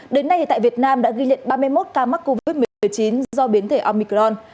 đến nay tại việt nam đã ghi nhận ba mươi một ca mắc covid một mươi chín do biến thể omicron